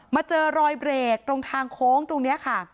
เจอรอยเบรกตรงทางโค้งตรงนี้ค่ะ